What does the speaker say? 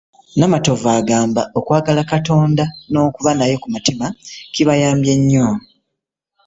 Namatovu agamba okwagala Katonda n'okuba naye ku mitima kibayambye nnyo